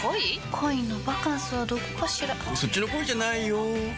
恋のバカンスはどこかしらそっちの恋じゃないよ